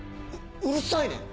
ううるさいねん！